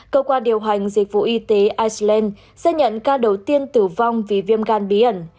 cơ quan điều hành dịch vụ y tế iceland xác nhận ca đầu tiên tử vong vì viêm gan bí ẩn